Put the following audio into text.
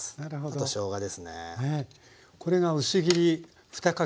あとしょうがですね。